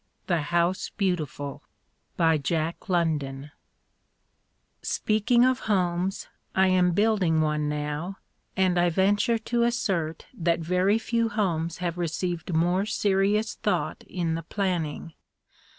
THE HOUSE BEAUTIFUL Speaking of homes, I am building one now, and I venture to assert that very few homes have received more serious thought in the planning.